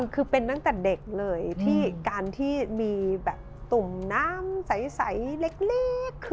คือเป็นตั้งแต่เด็กเลยที่การที่มีแบบตุ่มน้ำใสเล็ก